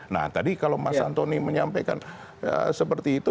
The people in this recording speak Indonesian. nah tadi kalau mas antoni menyampaikan seperti itu